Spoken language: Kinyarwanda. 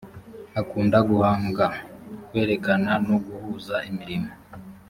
akunda guhanga kwerekana no guhuza imirimo